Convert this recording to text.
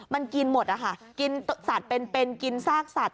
มันกินหมดนะคะกินสัตว์เป็นกินซากสัตว